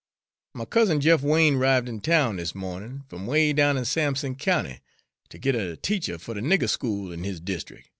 My cousin Jeff Wain 'rived in town this mo'nin', f'm 'way down in Sampson County, ter git a teacher fer the nigger school in his deestric'.